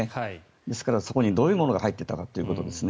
ですから、そこにどういうものが入っていたかということですね。